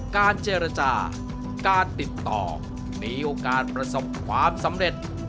การเจรจาการติดต่อมีโอกาสประสบความสำเร็จ